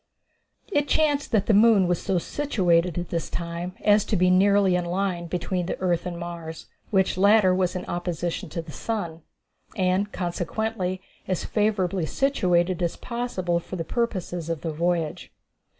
It chanced that the moon was so situated at this time as to be nearly in a line between the earth and Mars, which latter was in opposition to the sun, and consequently as favorably situated as possible for the purposes of the voyage.